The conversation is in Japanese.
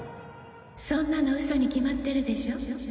そんなのウソに決まってるでしょ。